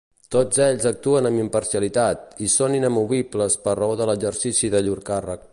Tots ells actuen amb imparcialitat i són inamovibles per raó de l’exercici de llur càrrec.